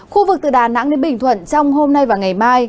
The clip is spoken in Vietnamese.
khu vực từ đà nẵng đến bình thuận trong hôm nay và ngày mai